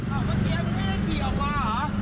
อ้าวเมื่อกี้มันไม่ได้ขี่ออกมาหรอ